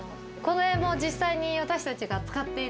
この辺も実際に私たちが使っていた。